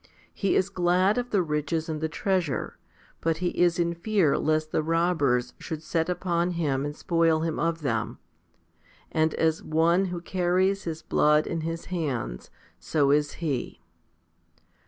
He is glad of the riches and the treasure ; but he is in fear lest the robbers should set upon him and spoil him of them ; and as one who carries his blood in his hands, so is he.